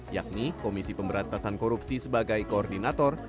yakni komisi pemberantasan korupsi sebagai koordinator